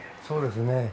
そうですね。